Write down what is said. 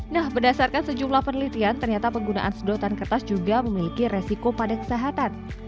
nah berdasarkan sejumlah penelitian ternyata penggunaan sedotan kertas juga memiliki resiko pada kesehatan